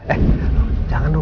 eh jangan dong